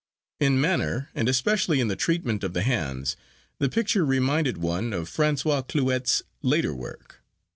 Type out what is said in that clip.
In manner, and especially in the treatment of the hands, the picture reminded one of François Clouet's later work.